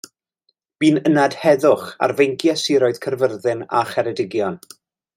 Bu'n ynad heddwch ar feinciau siroedd Caerfyrddin a Cheredigion.